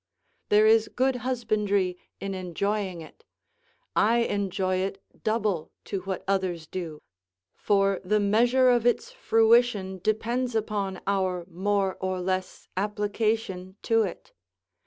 There is good husbandry in enjoying it: I enjoy it double to what others do; for the measure of its fruition depends upon our more or less application to it.